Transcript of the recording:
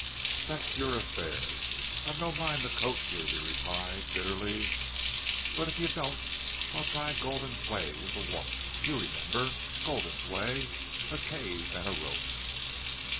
"That's your affair. I've no mind to coax you," he replied, bitterly. "But if you don't I'll try Gulden's way with a woman.... You remember. Gulden's way! A cave and a rope!"